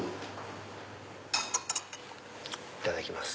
いただきます。